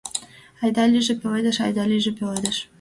Айда-лийже пеледыш, айда-лийже пеледыш